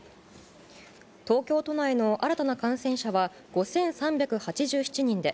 東京都内の新たな感染者は５３８７人で、